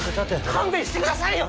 勘弁してくださいよ！